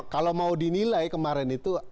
kalau mau dinilai kemarin itu